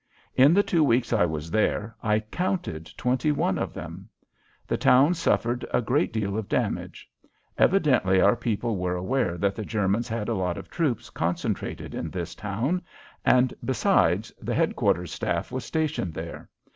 In the two weeks I was there I counted twenty one of them. The town suffered a great deal of damage. Evidently our people were aware that the Germans had a lot of troops concentrated in this town, and, besides, the headquarters staff was stationed there.